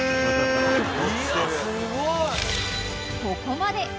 ［ここまで］